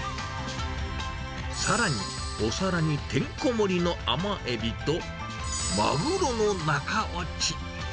さらに、お皿にてんこ盛りの甘エビとマグロの中落ち。